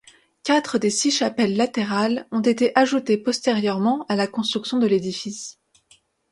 Quatre des six chapelles latérales ont été ajoutées postérieurement à la construction de l'édifice.